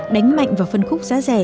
đánh mạnh vào phân khúc giá rẻ